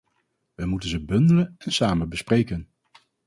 Wij moeten ze bundelen en samen bespreken.